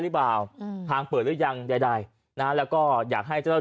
หรือเปล่าอืมทางเปิดหรือยังใดใดนะแล้วก็อยากให้เจ้า